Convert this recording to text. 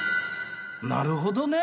なるほどね！